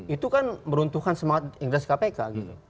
itu kan meruntuhkan semangat inggris kpk gitu